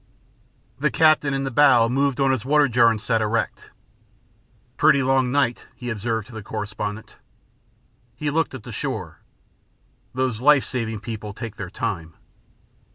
The captain, in the bow, moved on his water jar and sat erect. "Pretty long night," he observed to the correspondent. He looked at the shore. "Those life saving people take their time."